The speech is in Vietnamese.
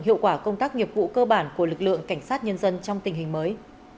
hiệu quả công tác nghiệp vụ cơ bản của lực lượng cảnh sát nhân dân trong tình hình mới